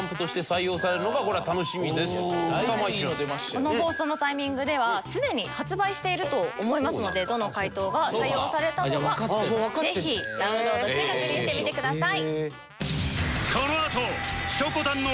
この放送のタイミングではすでに発売していると思いますのでどの解答が採用されたのかぜひダウンロードして確認してみてください。